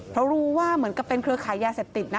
เพราะรู้ว่าเหมือนกับเป็นเครือขายยาเสพติดนะ